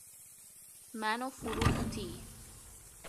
مراجع مربوطه پیشنهاد را بد تلقی کردند.